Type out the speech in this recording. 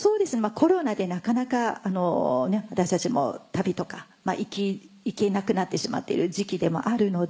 コロナでなかなか私たちも旅とか行けなくなってしまっている時期でもあるので。